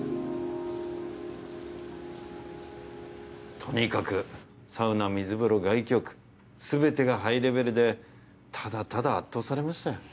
とにかくサウナ水風呂外気浴すべてがハイレベルでただただ圧倒されましたよ。